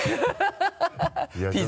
ハハハ